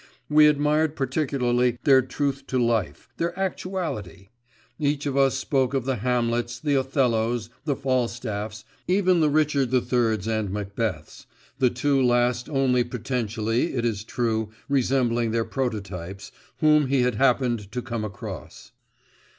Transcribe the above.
We admired particularly their truth to life, their actuality. Each of us spoke of the Hamlets, the Othellos, the Falstaffs, even the Richard the Thirds and Macbeths the two last only potentially, it is true, resembling their prototypes whom he had happened to come across.